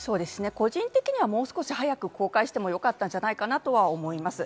個人的にはもう少し早く公開してもよかったんじゃないかと思います。